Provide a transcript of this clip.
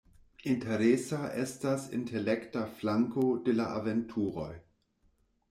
Interesa estas intelekta flanko de la aventuroj.